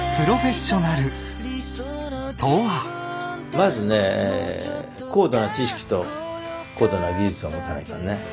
まずね高度な知識と高度な技術を持たないかんね。